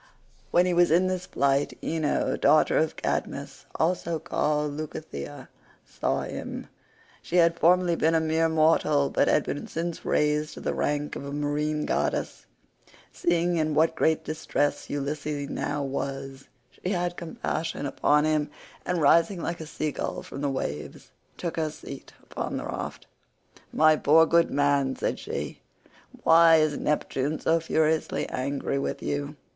When he was in this plight, Ino daughter of Cadmus, also called Leucothea, saw him. She had formerly been a mere mortal, but had been since raised to the rank of a marine goddess. Seeing in what great distress Ulysses now was, she had compassion upon him, and, rising like a sea gull from the waves, took her seat upon the raft. "My poor good man," said she, "why is Neptune so furiously angry with you?